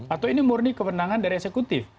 atau ini murni kewenangan dari eksekutif